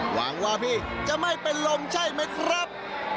หวังว่าพี่จะไม่เป็นลมใช่ไหมครับ